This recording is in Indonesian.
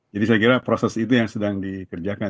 jadi saya kira proses itu yang sedang dikerjakan